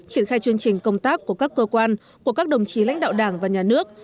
triển khai chương trình công tác của các cơ quan của các đồng chí lãnh đạo đảng và nhà nước